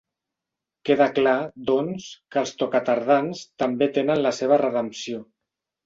Queda clar, doncs, que els tocatardans també tenen la seva redempció.